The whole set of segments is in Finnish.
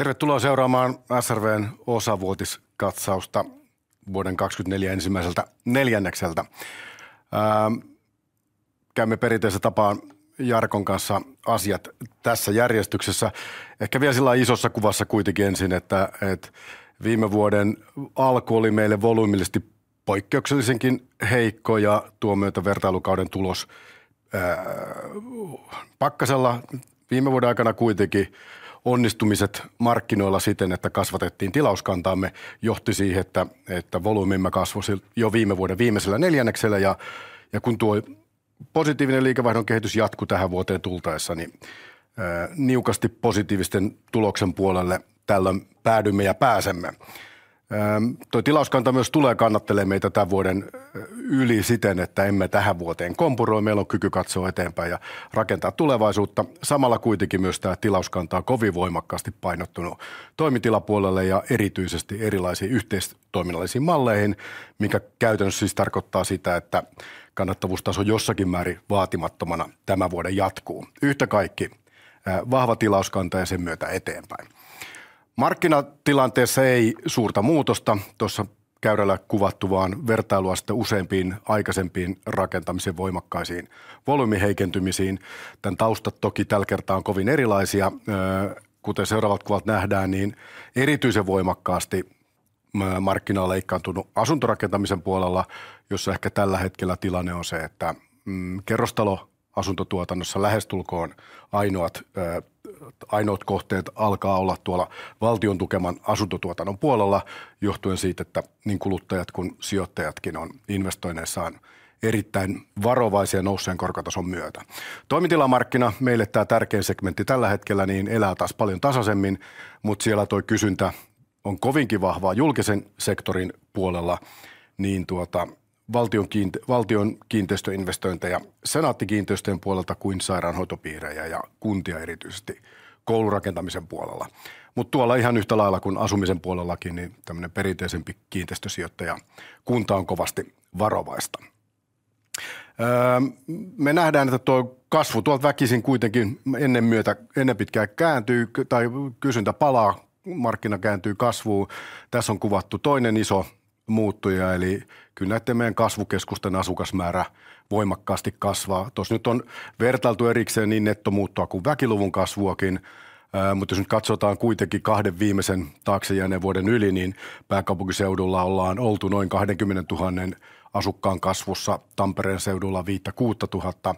Tervetuloa seuraamaan SRV:n osavuotiskatsausta vuoden 2024 ensimmäiseltä neljännekseltä. Käymme perinteiseen tapaan Jarkon kanssa asiat tässä järjestyksessä. Ehkä vielä sillai isossa kuvassa kuitenkin ensin, että viime vuoden alku oli meille volyymillisesti poikkeuksellisenkin heikko, ja tuon myötä vertailukauden tulos pakkasella. Viime vuoden aikana kuitenkin onnistumiset markkinoilla siten, että kasvatettiin tilauskantaamme, johti siihen, että volyymimme kasvoi jo viime vuoden viimeisellä neljänneksellä. Kun tuo positiivinen liikevaihdon kehitys jatkui tähän vuoteen tultaessa, niin niukasti positiivisten tuloksen puolelle tällöin päädymme ja pääsemme. Tuo tilauskanta myös tulee kannattelemaan meitä tämän vuoden yli siten, että emme tähän vuoteen kompuroi. Meillä on kyky katsoa eteenpäin ja rakentaa tulevaisuutta. Samalla kuitenkin myös tämä tilauskanta on kovin voimakkaasti painottunut toimitilapuolelle ja erityisesti erilaisiin yhteistoiminnallisiin malleihin, mikä käytännössä siis tarkoittaa sitä, että kannattavuustaso jossakin määrin vaatimattomana tämän vuoden jatkuu. Yhtä kaikki vahva tilauskanta ja sen myötä eteenpäin. Markkinatilanteessa ei suurta muutosta. Tuossa käyrällä kuvattu vaan vertailua sitten useampiin aikaisempiin rakentamisen voimakkaisiin volyymin heikentymisiin. Tämän taustat toki tällä kertaa ovat kovin erilaisia. Kuten seuraavat kuvat nähdään, niin erityisen voimakkaasti markkina on leikkaantunut asuntorakentamisen puolella, jossa ehkä tällä hetkellä tilanne on se, että kerrostaloasuntotuotannossa lähestulkoon ainoat kohteet alkavat olla tuolla valtion tukeman asuntotuotannon puolella, johtuen siitä, että niin kuluttajat kuin sijoittajatkin ovat investoinneissaan erittäin varovaisia nousseen korkotason myötä. Toimitilamarkkina, meille tämä tärkein segmentti tällä hetkellä, niin elää taas paljon tasaisemmin, mutta siellä tuo kysyntä on kovinkin vahvaa julkisen sektorin puolella, niin tuota valtion kiinteistöinvestointeja Senaatti-kiinteistöjen puolelta kuin sairaanhoitopiirejä ja kuntia erityisesti koulurakentamisen puolella. Mutta tuolla ihan yhtä lailla kuin asumisen puolellakin, niin tämmöinen perinteisempi kiinteistösijoittajakunta on kovasti varovaista. Me nähdään, että tuo kasvu tuolta väkisin kuitenkin ennen pitkää kääntyy tai kysyntä palaa, markkina kääntyy kasvuun. Tässä on kuvattu toinen iso muuttuja, eli kyllä näiden meidän kasvukeskusten asukasmäärä voimakkaasti kasvaa. Tuossa nyt on vertailtu erikseen niin nettomuuttoa kuin väkiluvun kasvuakin, mutta jos nyt katsotaan kuitenkin kahden viimeisen taakse jääneen vuoden yli, niin pääkaupunkiseudulla ollaan oltu noin 20,000 asukkaan kasvussa, Tampereen seudulla 5,000-6,000,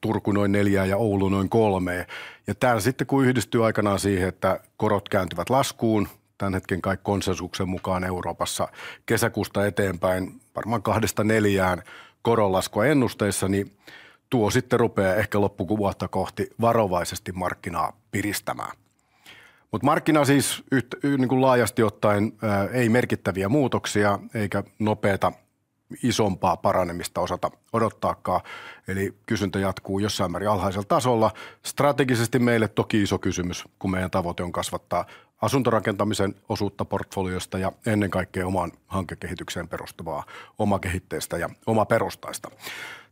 Turku noin 4,000 ja Oulu noin 3,000. Kun yhdistyy aikanaan siihen, että korot kääntyvät laskuun, tämän hetken kaikki konsensuksen mukaan Euroopassa kesäkuusta eteenpäin varmaan 2-4 koronlaskua ennusteissa, niin tuo sitten rupeaa ehkä loppuvuotta kohti varovaisesti markkinaa piristämään. Mutta markkina siis laajasti ottaen ei merkittäviä muutoksia eikä nopeata isompaa paranemista osata odottaakaan. Kysyntä jatkuu jossain määrin alhaisella tasolla. Strategisesti meille toki iso kysymys, kun meidän tavoite on kasvattaa asuntorakentamisen osuutta portfoliosta ja ennen kaikkea omaan hankekehitykseen perustuvaa omakehitteistä ja omaperustaista.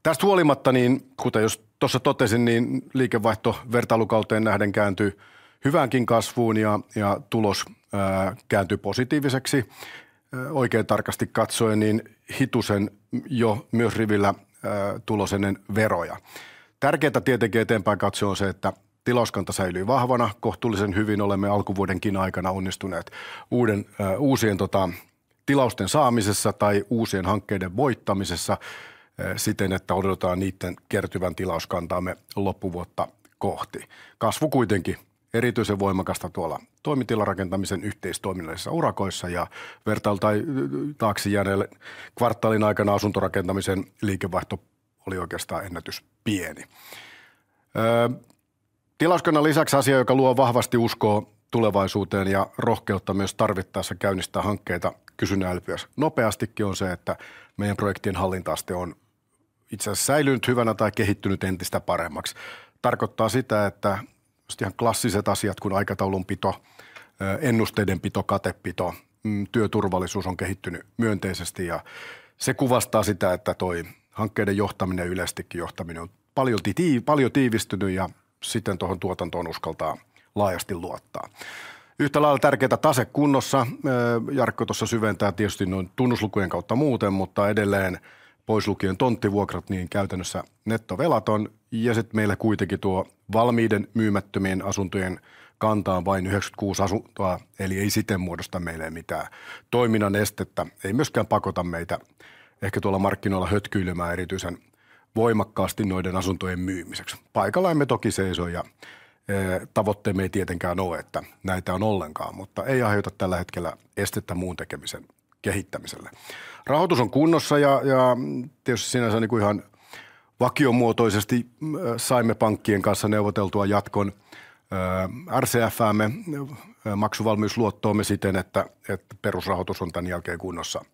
Tästä huolimatta, niin kuten juuri tuossa totesin, niin liikevaihto vertailukauteen nähden kääntyi hyväänkin kasvuun ja tulos kääntyi positiiviseksi. Oikein tarkasti katsoen, niin hitusen jo myös rivillä tulos ennen veroja. Tärkeää tietenkin eteenpäin katsoen on se, että tilauskanta säilyy vahvana. Kohtuullisen hyvin olemme alkuvuodenkin aikana onnistuneet uusien tilausten saamisessa tai uusien hankkeiden voittamisessa siten, että odotetaan niiden kertyvän tilauskantaamme loppuvuotta kohti. Kasvu kuitenkin erityisen voimakasta tuolla toimitilarakentamisen yhteistoiminnallisissa urakoissa ja vertailutaakseen jääneen kvartaalin aikana asuntorakentamisen liikevaihto oli oikeastaan ennätyspieni. Tilauskannan lisäksi asia, joka luo vahvasti uskoa tulevaisuuteen ja rohkeutta myös tarvittaessa käynnistää hankkeita kysynnän yltyessä nopeastikin, on se, että meidän projektien hallinta-aste on itse asiassa säilynyt hyvänä tai kehittynyt entistä paremmaksi. Tarkoittaa sitä, että sitten ihan klassiset asiat kuin aikataulunpito, ennusteidenpito, katepito, työturvallisuus on kehittynyt myönteisesti. Se kuvastaa sitä, että tuo hankkeiden johtaminen, yleisestikin johtaminen, on paljon tiivistynyt ja siten tuohon tuotantoon uskaltaa laajasti luottaa. Yhtä lailla tärkeää tase kunnossa. Jarkko tuossa syventää tietysti tunnuslukujen kautta muuten, mutta edelleen pois lukien tonttivuokrat, niin käytännössä nettovelaton. Ja sitten meillä kuitenkin tuo valmiiden myymättömien asuntojen kanta on vain 96 asuntoa, eli ei siten muodosta meille mitään toiminnan estettä. Ei myöskään pakota meitä ehkä tuolla markkinoilla hötkyilemään erityisen voimakkaasti noiden asuntojen myymiseksi. Paikallaan me toki seisomme ja tavoitteemme ei tietenkään ole, että näitä on ollenkaan, mutta ei aiheuta tällä hetkellä estettä muun tekemisen kehittämiselle. Rahoitus on kunnossa ja tietysti sinänsä ihan vakiomuotoisesti saimme pankkien kanssa neuvoteltua jatkon RCF:ämme, maksuvalmiusluottoamme siten, että perusrahoitus on tämän jälkeen kunnossa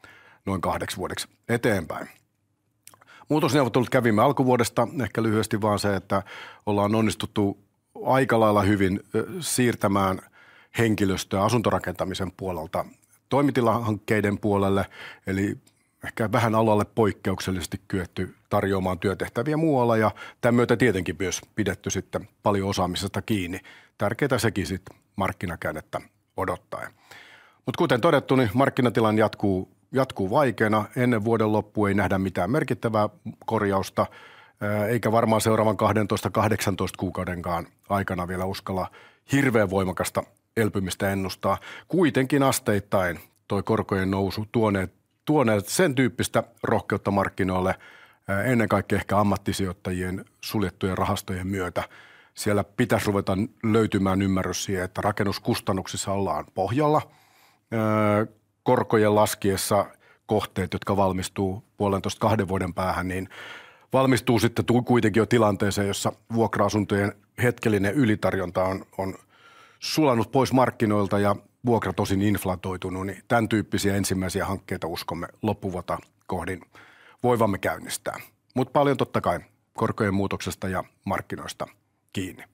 noin kahdeksi vuodeksi eteenpäin. Muutosneuvottelut kävimme alkuvuodesta. Ehkä lyhyesti vaan se, että ollaan onnistuttu aika lailla hyvin siirtämään henkilöstöä asuntorakentamisen puolelta toimitilahankkeiden puolelle, eli ehkä vähän alalle poikkeuksellisesti kyetty tarjoamaan työtehtäviä muualla ja tämän myötä tietenkin myös pidetty sitten paljon osaamisesta kiinni. Tärkeää sekin sitten markkinakäännettä odottaen. Mutta kuten todettu, niin markkinatilanne jatkuu vaikeana. Ennen vuoden loppua ei nähdä mitään merkittävää korjausta, eikä varmaan seuraavan 12-18 kuukaudenkaan aikana vielä uskalla hirveän voimakasta elpymistä ennustaa. Kuitenkin asteittain tuo korkojen nousu tuoneet sen tyyppistä rohkeutta markkinoille, ennen kaikkea ehkä ammattisijoittajien suljettujen rahastojen myötä. Siellä pitäisi ruveta löytymään ymmärrys siihen, että rakennuskustannuksissa ollaan pohjalla. Korkojen laskiessa kohteet, jotka valmistuvat puolentoista-kahden vuoden päähän, niin valmistuvat sitten kuitenkin jo tilanteeseen, jossa vuokra-asuntojen hetkellinen ylitarjonta on sulanut pois markkinoilta ja vuokra tosin inflatoitunut. Niin tämän tyyppisiä ensimmäisiä hankkeita uskomme loppuvuotta kohden voivamme käynnistää. Mutta paljon totta kai korkojen muutoksesta ja markkinoista kiinni.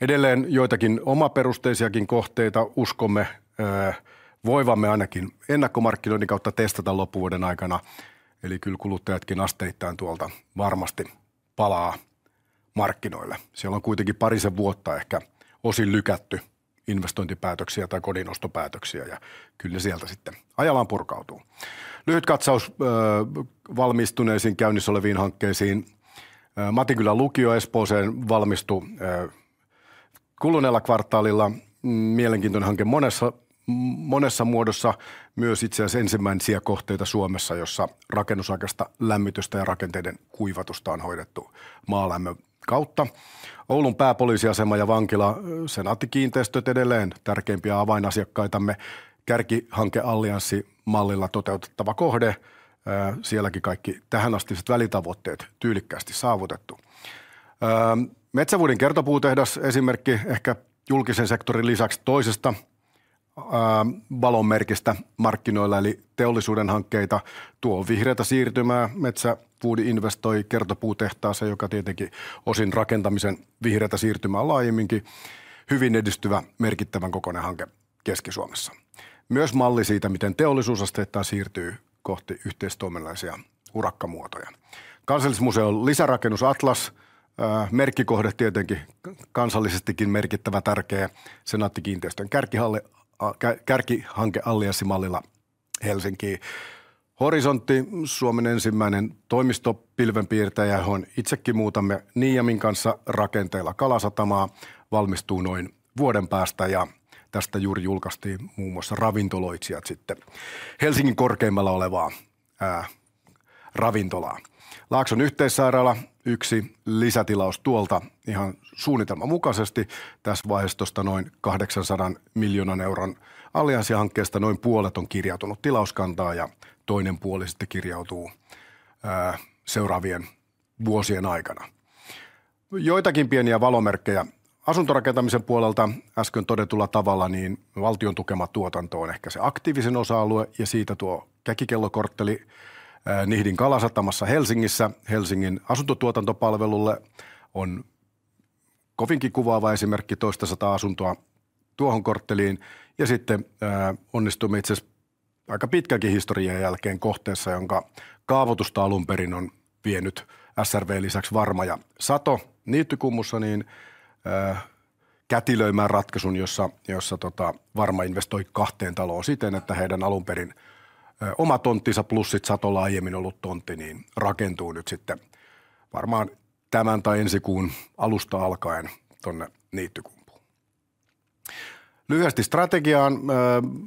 Edelleen joitakin omaperusteisiakin kohteita uskomme voivamme ainakin ennakkomarkkinoinnin kautta testata loppuvuoden aikana. Eli kyllä kuluttajatkin asteittain tuolta varmasti palaa markkinoille. Siellä on kuitenkin parisen vuotta ehkä osin lykätty investointipäätöksiä tai kodin ostopäätöksiä ja kyllä ne sieltä sitten ajallaan purkautuu. Lyhyt katsaus valmistuneisiin, käynnissä oleviin hankkeisiin. Matinkylän lukio Espooseen valmistui kuluneella kvartaalilla. Mielenkiintoinen hanke monessa muodossa. Myös itse asiassa ensimmäisiä kohteita Suomessa, jossa rakennusaikaista lämmitystä ja rakenteiden kuivatusta on hoidettu maalämmön kautta. Oulun pääpoliisiasema ja vankila, Senaatti-kiinteistöt edelleen tärkeimpiä avainasiakkaitamme. Kärkihankeallianssi-mallilla toteutettava kohde. Sielläkin kaikki tähänastiset välitavoitteet tyylikkäästi saavutettu. Metsävuodin kertopuutehdas esimerkki ehkä julkisen sektorin lisäksi toisesta valonmerkistä markkinoilla, eli teollisuuden hankkeita. Tuo on vihreää siirtymää. Metsävuodi investoi kertopuutehtaaseen, joka tietenkin osin rakentamisen vihreää siirtymää laajemminkin. Hyvin edistyvä, merkittävän kokoinen hanke Keski-Suomessa. Myös malli siitä, miten teollisuus asteittain siirtyy kohti yhteistoiminnallisia urakkamuotoja. Kansallismuseon lisärakennus Atlas. Merkkikohde tietenkin, kansallisestikin merkittävä, tärkeä. Senaatti-kiinteistöjen kärkihankeallianssi-mallilla Helsinkiin. Horisontti, Suomen ensimmäinen toimistopilvenpiirtäjä, johon itsekin muutamme Niijamin kanssa rakenteilla Kalasatamaa, valmistuu noin vuoden päästä. Tästä juuri julkaistiin muun muassa Ravintoloitsijat sitten, Helsingin korkeimmalla olevaa ravintolaa. Laakson yhteissairaala, yksi lisätilaus tuolta ihan suunnitelman mukaisesti. Tässä vaiheessa tuosta noin €800 miljoonan allianssihankkeesta noin puolet on kirjautunut tilauskantaan ja toinen puoli sitten kirjautuu seuraavien vuosien aikana. Joitakin pieniä valomerkkejä asuntorakentamisen puolelta. Äsken todetulla tavalla valtion tukema tuotanto on ehkä se aktiivisin osa-alue, ja siitä tuo Käkikellokortteli Nihdin Kalasatamassa Helsingissä Helsingin asuntotuotantopalvelulle on kovinkin kuvaava esimerkki. Toistasataa asuntoa tuohon kortteliin. Sitten onnistuimme itse asiassa aika pitkänkin historian jälkeen kohteessa, jonka kaavoitusta alun perin on vienyt SRV:n lisäksi Varma ja Sato Niittykummussa, kätilöimään ratkaisun, jossa Varma investoi kahteen taloon siten, että heidän alun perin oma tonttinsa plus sitten Satolla aiemmin ollut tontti rakentuu nyt sitten varmaan tämän tai ensi kuun alusta alkaen tuonne Niittykumpuun. Lyhyesti strategiaan.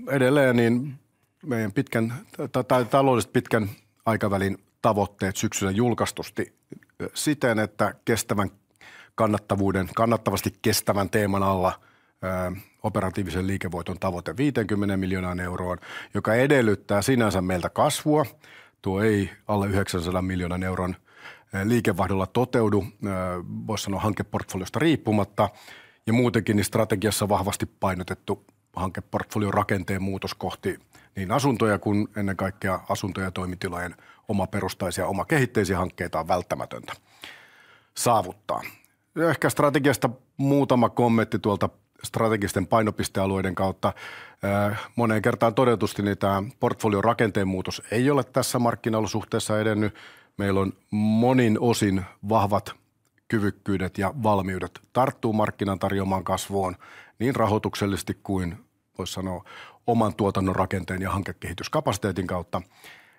Edelleen meidän taloudellisesti pitkän aikavälin tavoitteet syksyllä julkaistusti siten, että kestävän kannattavuuden, kannattavasti kestävän teeman alla operatiivisen liikevoiton tavoite €50 miljoonaan, joka edellyttää sinänsä meiltä kasvua. Tuo ei alle €900 miljoonan liikevaihdolla toteudu, voisi sanoa hankeportfoliosta riippumatta. Muutenkin strategiassa vahvasti painotettu hankeportfoliorakenteen muutos kohti asuntoja kuin ennen kaikkea asuntojen ja toimitilojen omaperustaisia ja omakehitteisiä hankkeita on välttämätöntä saavuttaa. Ehkä strategiasta muutama kommentti tuolta strategisten painopistealueiden kautta. Moneen kertaan todetusti niin tämä portfoliorakenteen muutos ei ole tässä markkinaolosuhteessa edennyt. Meillä on monin osin vahvat kyvykkyydet ja valmiudet tarttua markkinan tarjoamaan kasvuun niin rahoituksellisesti kuin voisi sanoa oman tuotannon rakenteen ja hankekehityskapasiteetin kautta.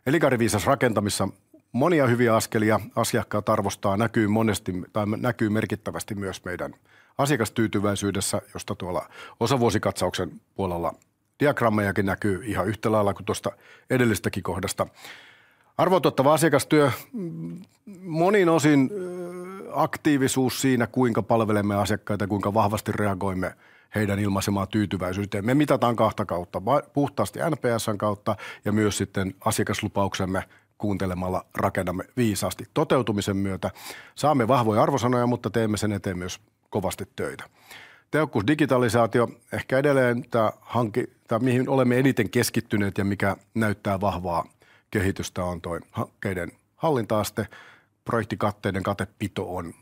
Elinkaariviisas rakentaminen, monia hyviä askelia asiakkaat arvostavat. Näkyy monesti tai näkyy merkittävästi myös meidän asiakastyytyväisyydessä, josta tuolla osavuosikatsauksen puolella diagrammejakin näkyy ihan yhtä lailla kuin tuosta edellisestäkin kohdasta. Arvoa tuottava asiakastyö. Monin osin aktiivisuus siinä, kuinka palvelemme asiakkaita, kuinka vahvasti reagoimme heidän ilmaisemaan tyytyväisyyteen. Me mitaamme kahta kautta. Puhtaasti NPS:n kautta ja myös sitten asiakaslupauksemme "kuuntelemalla rakennamme viisaasti" toteutumisen myötä. Saamme vahvoja arvosanoja, mutta teemme sen eteen myös kovasti töitä. Tehokkuus, digitalisaatio. Ehkä edelleen tämä hanke, tai mihin olemme eniten keskittyneet ja mikä näyttää vahvaa kehitystä, on tuo hankkeiden hallinta-aste. Projektikatteiden katepito on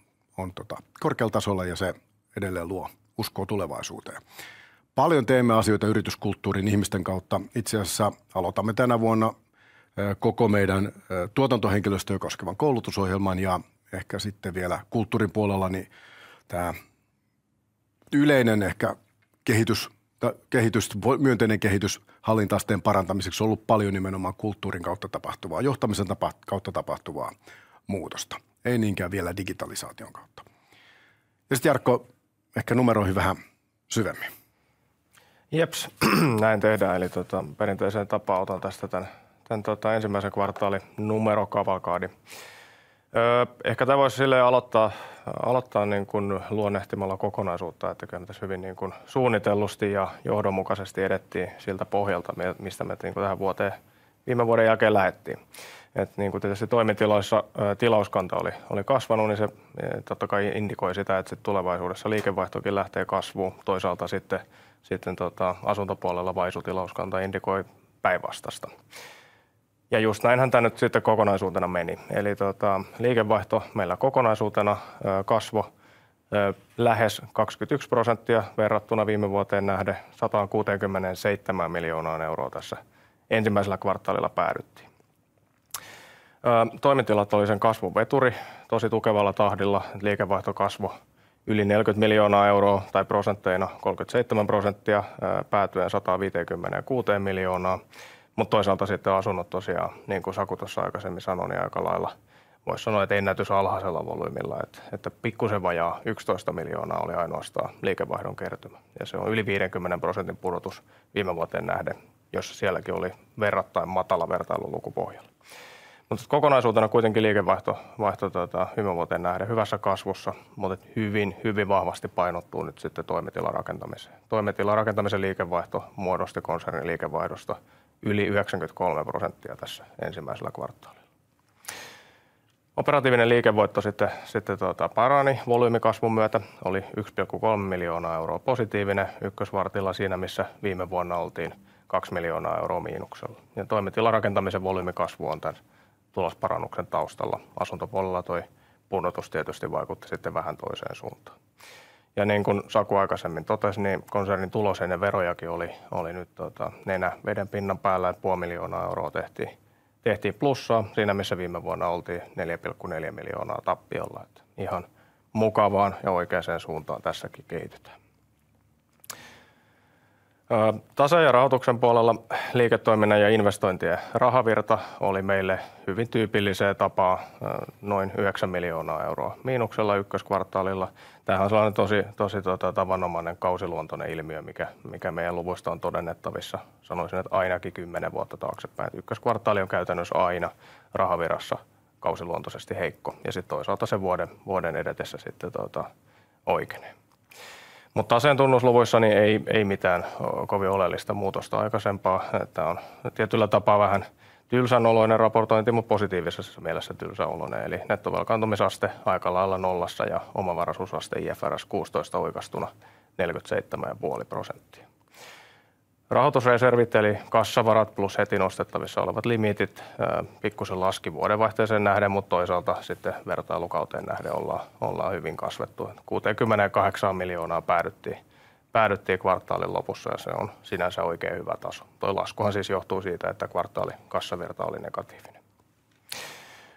korkealla tasolla ja se edelleen luo uskoa tulevaisuuteen. Paljon teemme asioita yrityskulttuurin ihmisten kautta. Itse asiassa aloitamme tänä vuonna koko meidän tuotantohenkilöstöä koskevan koulutusohjelman. Ehkä sitten vielä kulttuurin puolella niin tämä yleinen ehkä kehitys, tai myönteinen kehitys hallinta-asteen parantamiseksi on ollut paljon nimenomaan kulttuurin kautta tapahtuvaa, johtamisen kautta tapahtuvaa muutosta. Ei niinkään vielä digitalisaation kautta. Sitten Jarkko ehkä numeroihin vähän syvemmin. Jeps. Näin tehdään. Eli perinteiseen tapaan otan tästä tämän ensimmäisen kvartaalin numerokavalkadin. Ehkä tämä voisi silleen aloittaa niin kuin luonnehtimalla kokonaisuutta, että kyllä me tässä hyvin niin kuin suunnitellusti ja johdonmukaisesti edettiin siltä pohjalta, mistä me tähän vuoteen, viime vuoden jälkeen lähdettiin. Että niin kuin tietysti toimitiloissa tilauskanta oli kasvanut, niin se totta kai indikoi sitä, että sitten tulevaisuudessa liikevaihtokin lähtee kasvuun. Toisaalta sitten asuntopuolella Vaisu-tilauskanta indikoi päinvastaista. Juuri näinhän tämä nyt sitten kokonaisuutena meni. Eli liikevaihto meillä kokonaisuutena kasvoi lähes 21% verrattuna viime vuoteen nähden. €167 miljoonaan euroon tässä ensimmäisellä kvartaalilla päädyttiin. Toimitilat olivat sen kasvun veturi tosi tukevalla tahdilla. Liikevaihto kasvoi yli 40 miljoonaa euroa tai prosentteina 37% päätyen 156 miljoonaan. Mutta toisaalta sitten asunnot tosiaan, niin kuin Saku tuossa aikaisemmin sanoi, aika lailla, voisi sanoa, että ennätysalhaisella volyymilla. Pikkuisen vajaa 11 miljoonaa oli ainoastaan liikevaihdon kertymä. Se on yli 50% pudotus viime vuoteen nähden, jossa sielläkin oli verrattain matala vertailuluku pohjalla. Mutta sitten kokonaisuutena kuitenkin liikevaihto viime vuoteen nähden hyvässä kasvussa, mutta hyvin vahvasti painottuu nyt sitten toimitilarakentamiseen. Toimitilarakentamisen liikevaihto muodosti konsernin liikevaihdosta yli 93% tässä ensimmäisellä kvartaalilla. Operatiivinen liikevoitto sitten parani volyymikasvun myötä. Oli 1,3 miljoonaa euroa positiivinen ykkösvartilla siinä, missä viime vuonna oltiin 2 miljoonaa euroa miinuksella. Toimitilarakentamisen volyymikasvu on tämän tulosparannuksen taustalla. Asuntopuolella tuo pudotus tietysti vaikutti sitten vähän toiseen suuntaan. Niin kuin Saku aikaisemmin totesi, konsernin tulos ennen verojakin oli nyt nenä veden pinnan päällä. Puoli miljoonaa euroa tehtiin plussaa siinä, missä viime vuonna oltiin 4,4 miljoonaa tappiolla. Ihan mukavaan ja oikeaan suuntaan tässäkin kehitytään. Taseen ja rahoituksen puolella liiketoiminnan ja investointien rahavirta oli meille hyvin tyypilliseen tapaan noin €9 miljoonaa miinuksella ykköskvartaalilla. Tämähän on sellainen tosi tavanomainen kausiluontoinen ilmiö, mikä meidän luvuista on todennettavissa, sanoisin, että ainakin 10 vuotta taaksepäin. Ykköskvartaali on käytännössä aina rahavirrassa kausiluontoisesti heikko. Sitten toisaalta se vuoden edetessä oikenee. Mutta taseen tunnusluvuissa ei mitään kovin oleellista muutosta aikaisempaan. Tämä on tietyllä tapaa vähän tylsän oloinen raportointi, mutta positiivisessa mielessä tylsän oloinen. Nettovelkaantumisaste aika lailla nollassa ja omavaraisuusaste IFRS 16 oikastuna 47,5%. Rahoitusreservit eli kassavarat plus heti nostettavissa olevat limitit pikkuisen laski vuodenvaihteeseen nähden, mutta toisaalta sitten vertailukauteen nähden ollaan hyvin kasvettu. €68 miljoonaan päädyttiin kvartaalin lopussa. Se on sinänsä oikein hyvä taso. Tuo lasku johtuu siitä, että kvartaalikassavirta oli negatiivinen.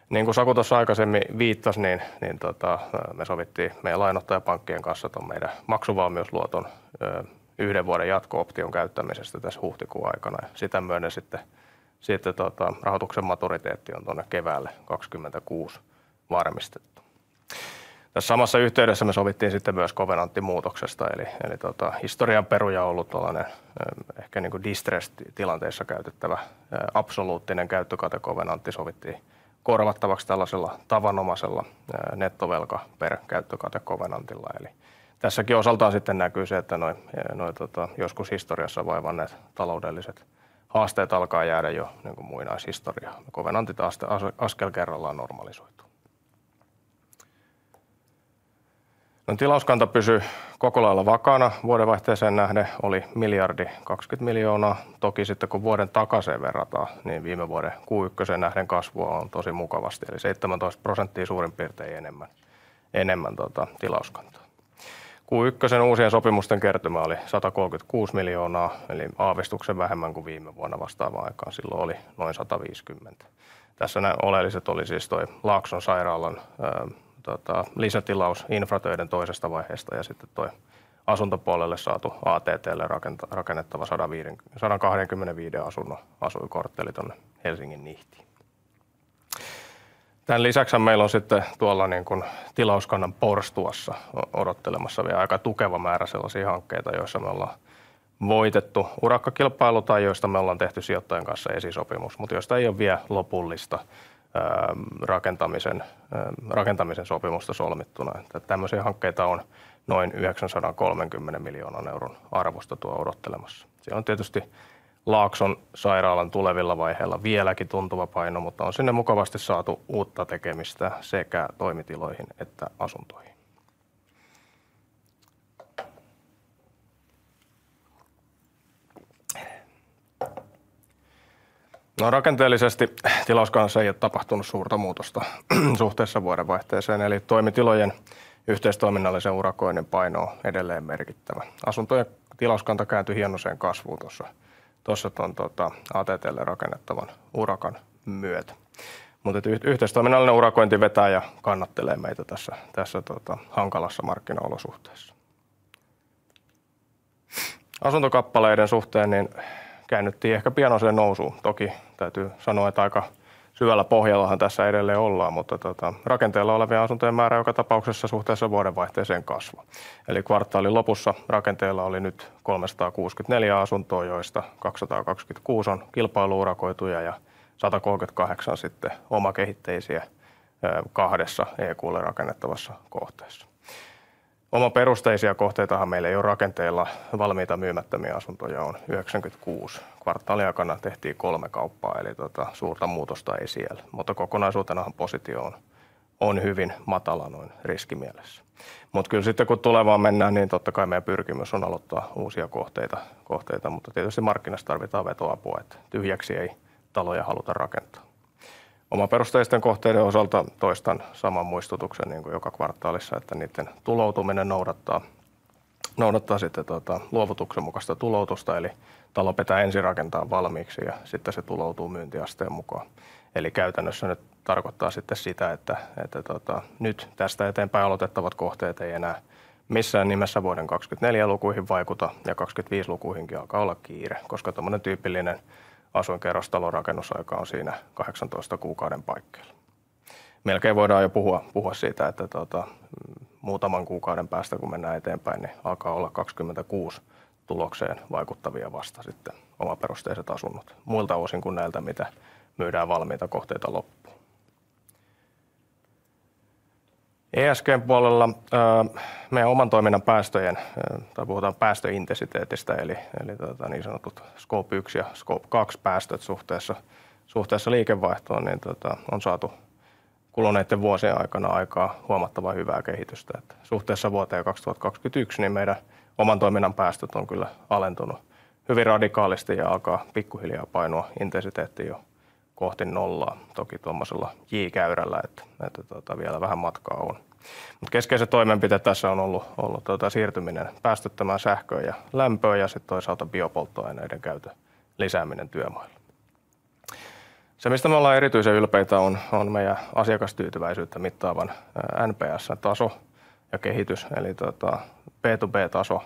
Niin kuin Saku tuossa aikaisemmin viittasi, me sovimme meidän lainanottajapankkien kanssa tuon meidän maksuvalmiusluoton yhden vuoden jatko-option käyttämisestä tässä huhtikuun aikana. Sitä myöten rahoituksen maturiteetti on tuonne keväälle 2026 varmistettu. Tässä samassa yhteydessä me sovimme myös kovenanttimuutoksesta. Historian peruja on ollut tuollainen ehkä distress-tilanteissa käytettävä absoluuttinen käyttökatekovenantti. Sovittiin korvattavaksi tällaisella tavanomaisella nettovelka per käyttökatekovenantilla. Tässäkin osaltaan näkyy se, että nuo joskus historiassa vaivanneet taloudelliset haasteet alkavat jäädä jo muinaishistoriaan. Kovenantit askel kerrallaan normalisoituu. Tilauskanta pysyi koko lailla vakaana vuodenvaihteeseen nähden. Oli €1.02 miljardia. Kun vuoden takaiseen verrataan, viime vuoden Q1:een nähden kasvua on mukavasti. 17% suurin piirtein enemmän tilauskantaa. Q1:n uusien sopimusten kertymä oli €136 miljoonaa. Aavistuksen vähemmän kuin viime vuonna vastaavaan aikaan. Silloin oli noin €150 miljoonaa. Tässä ne oleelliset olivat siis tuo Laakson sairaalan lisätilaus infratöiden toisesta vaiheesta ja sitten tuo asuntopuolelle saatu ATT:lle rakennettava 125 asuinkortteli tuonne Helsingin Nihtiin. Tämän lisäksi meillä on sitten tuolla tilauskannan porstuassa odottelemassa vielä aika tukeva määrä sellaisia hankkeita, joissa me ollaan voitettu urakkakilpailu tai joista me ollaan tehty sijoittajien kanssa esisopimus, mutta joista ei ole vielä lopullista rakentamisen sopimusta solmittuna. Tällaisia hankkeita on noin €930 miljoonan arvosta tuolla odottelemassa. Siellä on tietysti Laakson sairaalan tulevilla vaiheilla vieläkin tuntuva paino, mutta on sinne mukavasti saatu uutta tekemistä sekä toimitiloihin että asuntoihin. Rakenteellisesti tilauskannassa ei ole tapahtunut suurta muutosta suhteessa vuodenvaihteeseen. Toimitilojen yhteistoiminnallisen urakoinnin paino on edelleen merkittävä. Asuntojen tilauskanta kääntyi hienoiseen kasvuun tuossa tuon ATT:lle rakennettavan urakan myötä. Yhteistoiminnallinen urakointi vetää ja kannattelee meitä tässä hankalassa markkinaolosuhteessa. Asuntokappaleiden suhteen niin käännyttiin ehkä pienoiseen nousuun. Toki täytyy sanoa, että aika syvällä pohjalla tässä edelleen ollaan, mutta rakenteilla olevien asuntojen määrä joka tapauksessa suhteessa vuodenvaihteeseen kasvoi. Kvartaalin lopussa rakenteilla oli nyt 364 asuntoa, joista 226 on kilpailu-urakoituja ja 138 sitten omakehitteisiä kahdessa EQ:lle rakennettavassa kohteessa. Omaperusteisia kohteita meillä ei ole rakenteilla. Valmiita myymättömiä asuntoja on 96. Kvartaalin aikana tehtiin kolme kauppaa. Suurta muutosta ei siellä. Mutta kokonaisuutena positio on hyvin matala riskimielessä. Mutta kyllä sitten kun tulevaan mennään, niin totta kai meidän pyrkimys on aloittaa uusia kohteita. Mutta tietysti markkinassa tarvitaan vetoapua. Tyhjäksi ei taloja haluta rakentaa. Omaperusteisten kohteiden osalta toistan saman muistutuksen niin kuin joka kvartaalissa, että niiden tuloutuminen noudattaa sitten luovutuksen mukaista tuloutusta. Talo pitää ensin rakentaa valmiiksi ja sitten se tuloutuu myyntiasteen mukaan. Käytännössä nyt tarkoittaa sitten sitä, että nyt tästä eteenpäin aloitettavat kohteet eivät enää missään nimessä vuoden 2024 lukuihin vaikuta. Ja 2025 lukuihinkin alkaa olla kiire, koska tuollainen tyypillinen asuinkerrostalorakennusaika on siinä 18 kuukauden paikkeilla. Melkein voidaan jo puhua siitä, että muutaman kuukauden päästä, kun mennään eteenpäin, niin alkaa olla 2026 tulokseen vaikuttavia vasta sitten omaperusteiset asunnot. Muilta osin kuin näiltä, mitä myydään valmiita kohteita loppuun. ESG:n puolella meidän oman toiminnan päästöjen, tai puhutaan päästöintensiteetistä, eli niin sanotut Scope 1 ja Scope 2 -päästöt suhteessa liikevaihtoon, niin on saatu kuluneiden vuosien aikana aikaan huomattavan hyvää kehitystä. Suhteessa vuoteen 2021 niin meidän oman toiminnan päästöt ovat kyllä alentuneet hyvin radikaalisti ja alkavat pikkuhiljaa painua intensiteetti jo kohti nollaa. Toki tuollaisella J-käyrällä, että vielä vähän matkaa on. Mutta keskeinen toimenpide tässä on ollut siirtyminen päästöttömään sähköön ja lämpöön ja sitten toisaalta biopolttoaineiden käytön lisääminen työmailla. Se, mistä me ollaan erityisen ylpeitä, on meidän asiakastyytyväisyyttä mittaavan NPS:n taso ja kehitys. Eli tota B2B-taso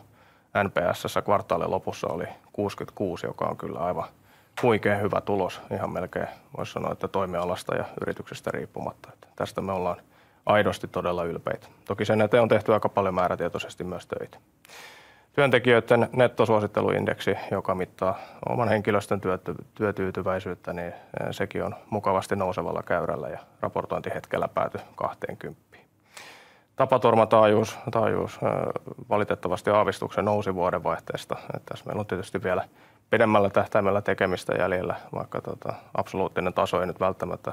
NPS:ssä kvartaalin lopussa oli 66, joka on kyllä aivan huikean hyvä tulos ihan melkein, voisi sanoa, että toimialasta ja yrityksestä riippumatta. Tästä me ollaan aidosti todella ylpeitä. Toki sen eteen on tehty aika paljon määrätietoisesti myös töitä. Työntekijöiden nettosuositteluindeksi, joka mittaa oman henkilöstön työtyytyväisyyttä, niin sekin on mukavasti nousevalla käyrällä ja raportointihetkellä päätyi 20:een. Tapaturmataajuus valitettavasti aavistuksen nousi vuodenvaihteesta. Tässä meillä on tietysti vielä pidemmällä tähtäimellä tekemistä jäljellä, vaikka absoluuttinen taso ei nyt välttämättä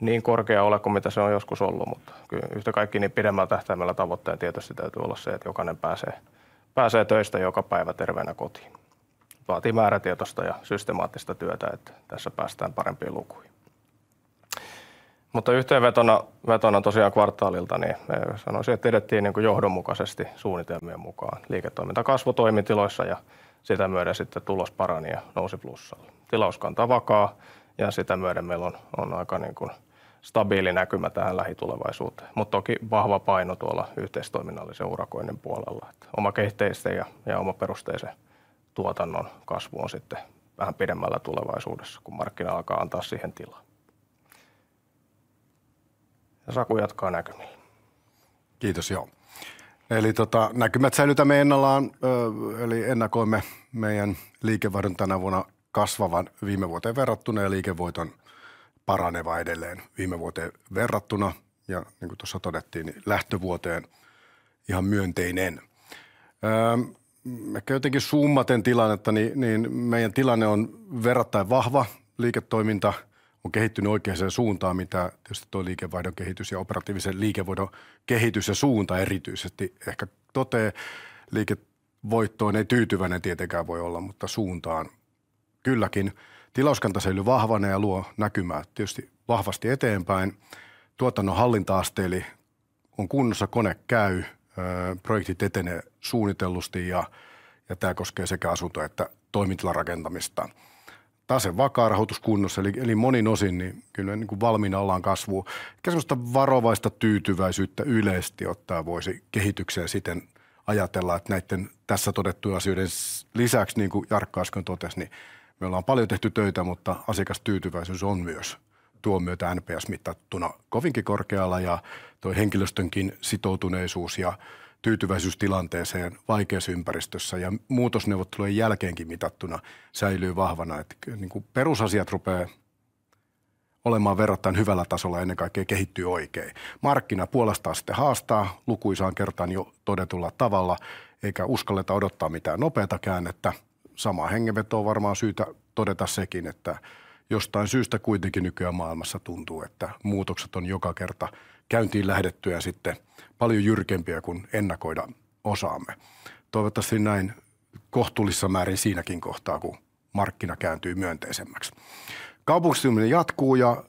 niin korkea ole kuin mitä se on joskus ollut. Mutta kyllä yhtä kaikki niin pidemmällä tähtäimellä tavoitteena tietysti täytyy olla se, että jokainen pääsee töistä joka päivä terveenä kotiin. Vaatii määrätietoista ja systemaattista työtä, että tässä päästään parempiin lukuihin. Mutta yhteenvetona tosiaan kvartaalilta niin sanoisin, että edettiin johdonmukaisesti suunnitelmien mukaan. Liiketoimintakasvu toimitiloissa ja sitä myöden sitten tulos parani ja nousi plussalle. Tilauskanta vakaa ja sitä myöden meillä on aika stabiili näkymä tähän lähitulevaisuuteen. Mutta toki vahva paino tuolla yhteistoiminnallisen urakoinnin puolella. Omakehitteisen ja omaperusteisen tuotannon kasvu on sitten vähän pidemmällä tulevaisuudessa, kun markkina alkaa antaa siihen tilaa. Saku jatkaa näkymillä. Kiitos, joo. Näkymät säilytämme ennallaan. Ennakoimme meidän liikevaihdon tänä vuonna kasvavan viime vuoteen verrattuna ja liikevoiton paranevan edelleen viime vuoteen verrattuna. Niin kuin tuossa todettiin, niin lähtövuoteen ihan myönteinen. Ehkä jotenkin summaten tilannetta, niin meidän tilanne on verrattain vahva. Liiketoiminta on kehittynyt oikeaan suuntaan, mitä tietysti tuo liikevaihdon kehitys ja operatiivisen liikevoiton kehitys ja suunta erityisesti ehkä osoittaa. Liikevoittoon ei tyytyväinen tietenkään voi olla, mutta suuntaan kylläkin. Tilauskanta säilyy vahvana ja luo näkymää tietysti vahvasti eteenpäin. Tuotannon hallinta-aste on kunnossa, kone käy. Projektit etenevät suunnitellusti. Tämä koskee sekä asunto- että toimitilarakentamista. Tase vakaa, rahoitus kunnossa. Monin osin niin kyllä me valmiina ollaan kasvuun. Ehkä sellaista varovaista tyytyväisyyttä yleisesti ottaen voisi kehitykseen siten ajatella, että näiden tässä todettujen asioiden lisäksi, niin kuin Jarkko äsken totesi, niin me ollaan paljon tehty töitä, mutta asiakastyytyväisyys on myös tuon myötä NPS-mitattuna kovinkin korkealla. Tuon henkilöstönkin sitoutuneisuus ja tyytyväisyys tilanteeseen vaikeassa ympäristössä ja muutosneuvottelujen jälkeenkin mitattuna säilyy vahvana. Perusasiat rupeavat olemaan verrattain hyvällä tasolla ja ennen kaikkea kehittyvät oikein. Markkina puolestaan sitten haastaa lukuisaan kertaan jo todetulla tavalla, eikä uskalleta odottaa mitään nopeaa käännettä. Samaa hengenvetoa varmaan syytä todeta sekin, että jostain syystä kuitenkin nykyään maailmassa tuntuu, että muutokset ovat joka kerta käyntiin lähdettyään sitten paljon jyrkempiä kuin ennakoida osaamme. Toivottavasti näin kohtuullisissa määrin siinäkin kohtaa, kun markkina kääntyy myönteisemmäksi. Kaupungistuminen jatkuu ja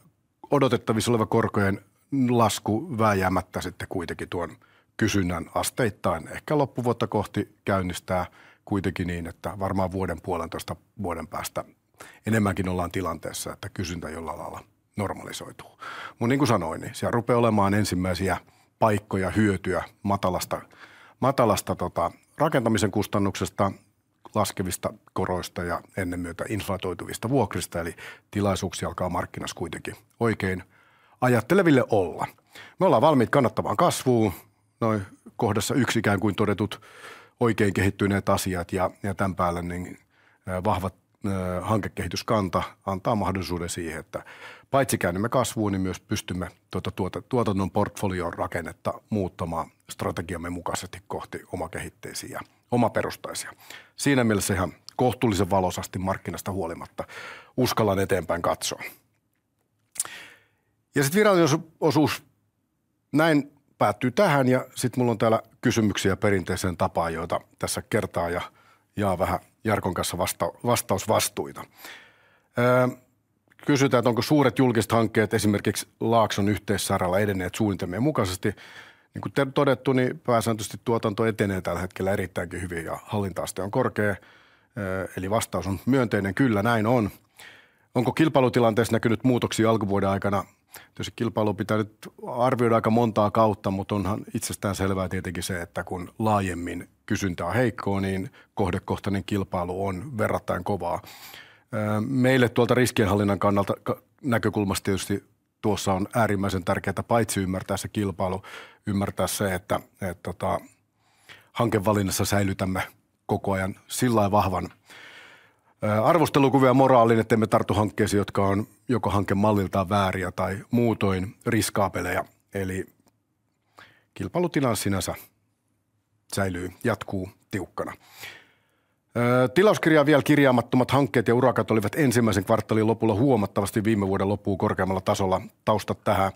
odotettavissa oleva korkojen lasku väistämättä sitten kuitenkin tuon kysynnän asteittain ehkä loppuvuotta kohti käynnistää kuitenkin niin, että varmaan vuoden puolentoista, vuoden päästä enemmänkin ollaan tilanteessa, että kysyntä jollain lailla normalisoituu. Mutta niin kuin sanoin, niin siellä rupeaa olemaan ensimmäisiä paikkoja hyötyä matalasta rakentamisen kustannuksesta, laskevista koroista ja ennen kaikkea inflatoituvista vuokrista. Eli tilaisuuksia alkaa markkinassa kuitenkin oikein ajatteleville olla. Me ollaan valmiita kannattavaan kasvuun. Nuo kohdassa 1 ikään kuin todetut oikein kehittyneet asiat ja tämän päälle niin vahva hankekehityskanta antaa mahdollisuuden siihen, että paitsi käännymme kasvuun, niin myös pystymme tuota tuotannon portfolion rakennetta muuttamaan strategiamme mukaisesti kohti omakehitteisiä ja omaperustaisia. Siinä mielessä ihan kohtuullisen valoisasti markkinasta huolimatta uskallan eteenpäin katsoa. Sitten virallinen osuus näin päättyy tähän. Sitten minulla on täällä kysymyksiä perinteiseen tapaan, joita tässä käyn läpi ja jaan vähän Jarkon kanssa vastausvastuita. Kysytään, että onko suuret julkiset hankkeet esimerkiksi Laakson sairaalan kanssa edenneet suunnitelmien mukaisesti. Niin kuin todettu, niin pääsääntöisesti tuotanto etenee tällä hetkellä erittäin hyvin ja hallinta-aste on korkea. Eli vastaus on myönteinen. Kyllä, näin on. Onko kilpailutilanteessa näkynyt muutoksia alkuvuoden aikana? Tietysti kilpailua pitää nyt arvioida aika montaa kautta, mutta onhan itsestään selvää tietenkin se, että kun laajemmin kysyntä on heikkoa, niin kohdekohtainen kilpailu on verrattain kovaa. Meille tuolta riskienhallinnan kannalta näkökulmasta tietysti tuossa on äärimmäisen tärkeää paitsi ymmärtää se kilpailu, ymmärtää se, että hankevalinnassa säilytämme koko ajan sillä tavalla vahvan arvostelukurin ja moraalin, ettemme tartu hankkeisiin, jotka ovat joko hankemalliltaan vääriä tai muutoin riskipelejä. Eli kilpailutilanne sinänsä säilyy, jatkuu tiukkana. Tilauskirjaan vielä kirjaamattomat hankkeet ja urakat olivat ensimmäisen kvartaalin lopulla huomattavasti viime vuoden loppua korkeammalla tasolla. Taustat tähän.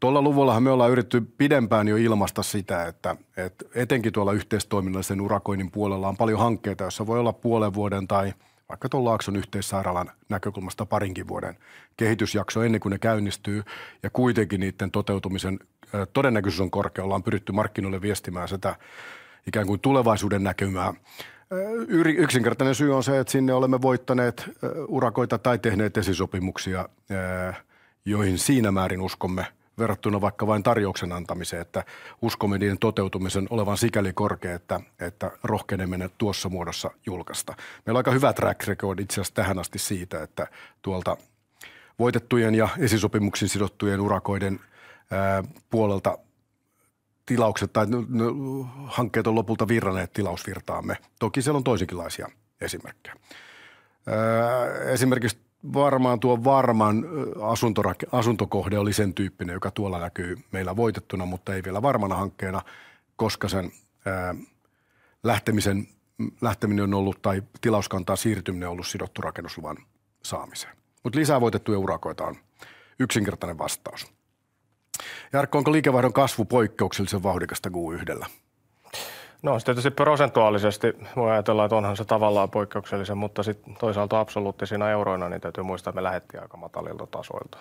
Tuolla luvuillahan me ollaan yritetty pidempään jo ilmaista sitä, että etenkin tuolla yhteistoiminnallisen urakoinnin puolella on paljon hankkeita, joissa voi olla puolen vuoden tai vaikka tuon Laakson yhteissairaalan näkökulmasta parinkin vuoden kehitysjakso ennen kuin ne käynnistyvät. Kuitenkin niiden toteutumisen todennäköisyys on korkea. Ollaan pyritty markkinoille viestimään sitä ikään kuin tulevaisuuden näkymää. Yksinkertainen syy on se, että sinne olemme voittaneet urakoita tai tehneet esisopimuksia, joihin siinä määrin uskomme verrattuna vaikka vain tarjouksen antamiseen, että uskomme niiden toteutumisen olevan sikäli korkea, että rohkenemme ne tuossa muodossa julkaista. Meillä on aika hyvä track record itse asiassa tähän asti siitä, että tuolta voitettujen ja esisopimuksiin sidottujen urakoiden puolelta tilaukset tai hankkeet ovat lopulta virtanneet tilausvirtaamme. Toki siellä on toisenkinlaisia esimerkkejä. Esimerkiksi varmaan tuo Varman asuntokohde oli sen tyyppinen, joka tuolla näkyy meillä voitettuna, mutta ei vielä varmana hankkeena, koska sen lähteminen on ollut tai tilauskantaan siirtyminen on ollut sidottu rakennusluvan saamiseen. Mutta lisää voitettuja urakoita on. Yksinkertainen vastaus. Jarkko, onko liikevaihdon kasvu poikkeuksellisen vauhdikasta Q1:llä? Sitä tietysti prosentuaalisesti voi ajatella, että onhan se tavallaan poikkeuksellisen, mutta sitten toisaalta absoluuttisina euroina täytyy muistaa, että me lähdettiin aika matalilta tasoilta.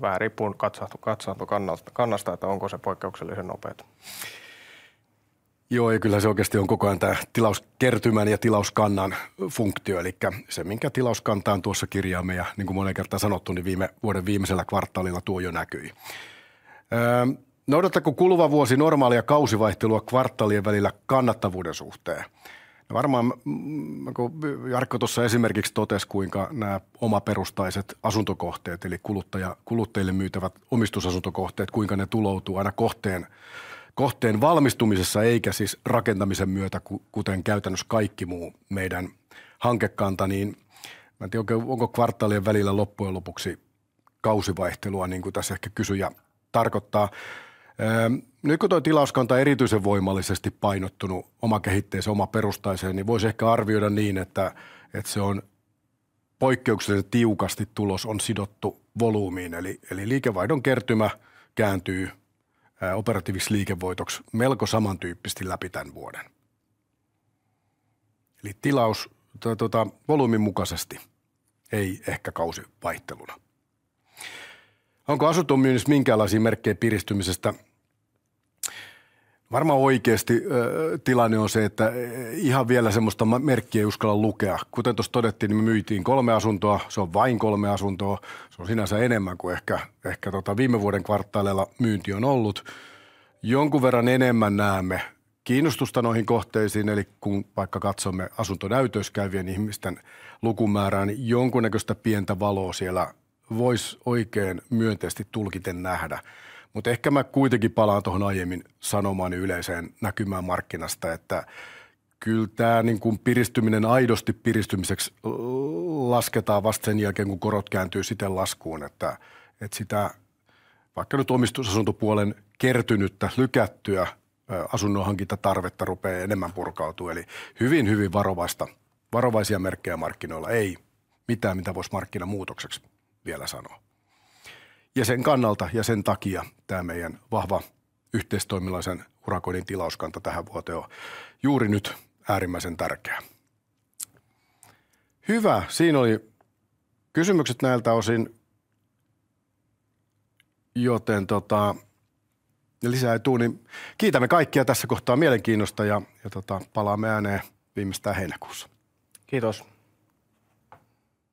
Vähän riippuu katsantokannasta, että onko se poikkeuksellisen nopeaa. Joo, ja kyllähän se oikeasti on koko ajan tämä tilauskertymän ja tilauskannan funktio. Eli se, minkä tilauskantaan tuossa kirjaamme, ja niin kuin moneen kertaan sanottu, niin viime vuoden viimeisellä kvartaalilla tuo jo näkyi. Noudattaako kuluva vuosi normaalia kausivaihtelua kvartaalien välillä kannattavuuden suhteen? Varmaan, kun Jarkko tuossa esimerkiksi totesi, kuinka nämä omaperustaiset asuntokohteet eli kuluttajille myytävät omistusasuntokohteet, kuinka ne tuloutuvat aina kohteen valmistumisessa, eikä siis rakentamisen myötä, kuten käytännössä kaikki muu meidän hankekanta. En tiedä oikein, onko kvartaalien välillä loppujen lopuksi kausivaihtelua, niin kuin tässä ehkä kysyjä tarkoittaa. Nyt kun tuo tilauskanta on erityisen voimallisesti painottunut omakehitteiseen, omaperustaiseen, niin voisi ehkä arvioida niin, että se on poikkeuksellisen tiukasti tulos on sidottu volyymiin. Eli liikevaihdon kertymä kääntyy operatiiviseksi liikevoitoksi melko samantyyppisesti läpi tämän vuoden. Eli volyymin mukaisesti, ei ehkä kausivaihteluna. Onko asunnon myynnissä minkäänlaisia merkkejä piristymisestä? Varmaan oikeasti tilanne on se, että ihan vielä sellaista merkkiä ei uskalla lukea. Kuten tuossa todettiin, niin me myytiin kolme asuntoa. Se on vain kolme asuntoa. Se on sinänsä enemmän kuin ehkä viime vuoden kvartaaleilla myynti on ollut. Jonkun verran enemmän näemme kiinnostusta noihin kohteisiin. Kun vaikka katsomme asuntonäytöissä käyvien ihmisten lukumäärää, niin jonkunnäköistä pientä valoa siellä voisi oikein myönteisesti tulkiten nähdä. Mutta ehkä minä kuitenkin palaan tuohon aiemmin sanomaani yleiseen näkymään markkinasta, että kyllä tämä piristyminen aidosti piristymiseksi lasketaan vasta sen jälkeen, kun korot kääntyvät sitten laskuun. Että sitä vaikka nyt omistusasuntopuolen kertynyttä, lykättyä asunnonhankintatarvetta rupeaa enemmän purkautumaan. Hyvin, hyvin varovaisia merkkejä markkinoilla. Ei mitään, mitä voisi markkinamuutokseksi vielä sanoa. Sen kannalta ja sen takia tämä meidän vahva yhteistoiminnallisen urakoinnin tilauskanta tähän vuoteen on juuri nyt äärimmäisen tärkeä. Hyvä. Siinä oli kysymykset näiltä osin. Joten lisää ei tule. Kiitämme kaikkia tässä kohtaa mielenkiinnosta ja palaamme ääneen viimeistään heinäkuussa. Kiitos.